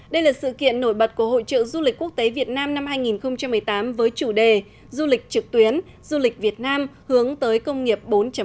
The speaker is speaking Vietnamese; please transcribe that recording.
đây là sự kiện nổi bật của hội trợ du lịch quốc tế việt nam năm hai nghìn một mươi tám với chủ đề du lịch trực tuyến du lịch việt nam hướng tới công nghiệp bốn